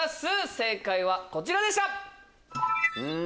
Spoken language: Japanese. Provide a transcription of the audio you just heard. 正解はこちらでした。